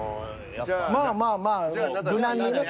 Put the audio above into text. まあまあまあ無難にね。